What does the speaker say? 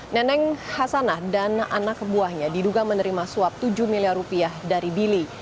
neneng hasanah dan anak buahnya diduga menerima suap tujuh miliar rupiah dari billy